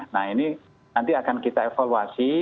nah ini nanti akan kita evaluasi